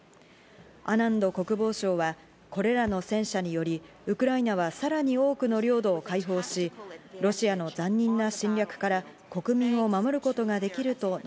アナンド国防相はこれらの戦車によりウクライナはさらに多くの領土を解放し、ロシアの残忍な侵略から国民を守ることができると述